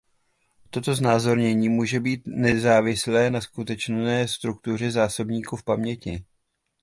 Toto znázornění může být nezávislé na skutečné struktuře zásobníku v paměti.